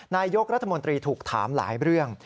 นายกรัฐมนตรีถูกถามหลายเรื่อง